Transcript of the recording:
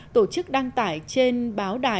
tổ chức đăng tải trên báo đài